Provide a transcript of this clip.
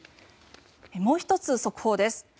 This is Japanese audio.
もう１つ速報です。